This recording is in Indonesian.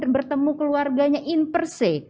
bertemu keluarganya in per se